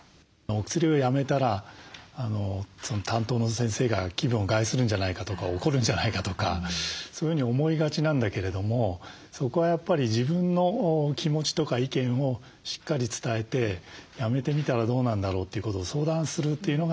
薬をやめたら担当の先生が気分を害するんじゃないかとか怒るんじゃないかとかそういうふうに思いがちなんだけれどもそこはやっぱり自分の気持ちとか意見をしっかり伝えてやめてみたらどうなんだろうということを相談するというのが出発点ですね。